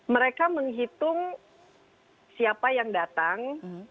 mereka menghitung siapa yang datang